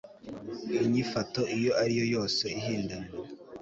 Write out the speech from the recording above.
inyifato iyo ari yo yose ihindanya